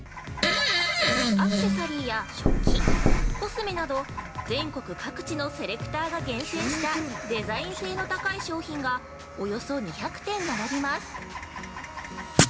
アクセサリーや、食器、コスメなど全国各地のセレクターが厳選したデザイン性の高い商品がおよそ２００点並びます。